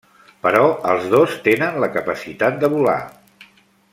Però els dos tenen la capacitat de volar.